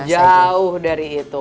jauh dari itu